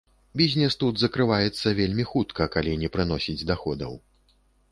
Бізнес тут закрываецца вельмі хутка, калі не прыносіць даходаў.